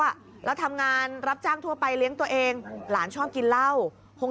อ่ะแล้วทำงานรับจ้างทั่วไปเลี้ยงตัวเองหลานชอบกินเหล้าคง